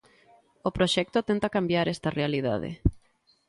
O proxecto tenta cambiar esta realidade.